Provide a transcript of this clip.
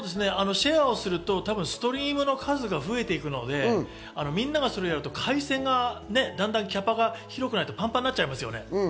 シェアするとストリームの数が増えていくので、みんながそれをやると、回線がね、だんだんキャパが広くなってパンパンになっちゃいますよね。